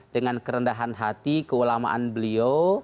dengan kerendahan hati keulamaan beliau